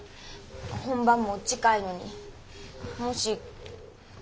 本番も近いのにもしこのまま。